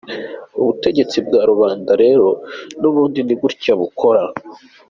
Ubutegetsi bwa rubanda rero n’ubundi, ni gutya bukora.